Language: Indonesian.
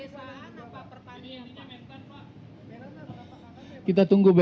saya ngurusin itu mulai dari kepala desa